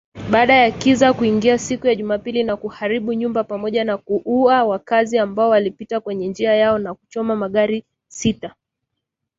Baada ya kiza kuingia siku ya Jumapili na kuharibu nyumba pamoja na kuwaua wakaazi ambao walipita kwenye njia yao na kuchoma magari sita.